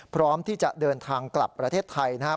พร้อมที่จะเดินทางกลับประเทศไทยนะครับ